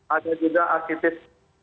ada juga aktivis